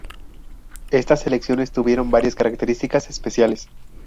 Estas elecciones tuvieron varias características especiales.